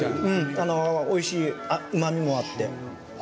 おいしい、うまみもあって。